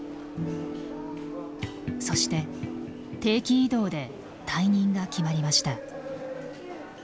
そして定期異動で退任が決まりました。